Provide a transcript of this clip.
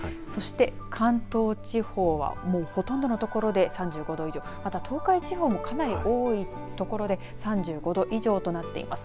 そして関東地方はほとんどの所で３５度以上東海地方もかなり多い所で３５度以上となってます。